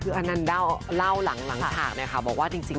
คืออันนั้นเล่าหลังฉากบอกว่าจริงแล้ว